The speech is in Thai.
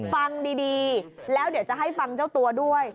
ฟังดีแล้วเดี๋ยวจะให้ฟังเจ้าตัวด้วย